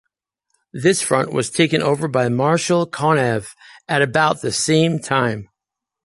This Front was taken over by Marshal Konev at about the same time.